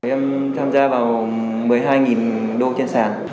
em tham gia vào một mươi hai đô trên sàn